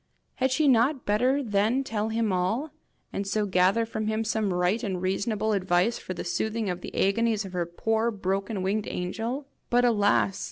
Had she not better then tell him all, and so gather from him some right and reasonable advice for the soothing of the agonies of her poor broken winged angel? But alas!